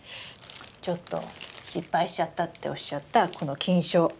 ちょっと失敗しちゃったっておっしゃったこの菌床。